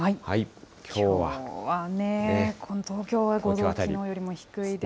きょうはね、東京は５度、きのうより低いです。